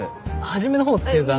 初めのほうっていうか。